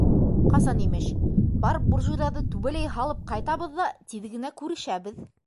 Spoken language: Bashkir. — Ҡасан имеш, барып буржуйҙарҙы түбәләй һалып ҡайтабыҙ ҙа тиҙ генә күрешәбеҙ.